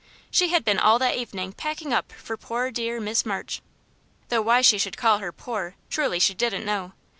She had been all that evening packing up for poor dear Miss March; though why she should call her "poor," truly, she didn't know.